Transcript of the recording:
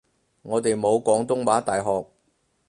我哋冇廣東話大學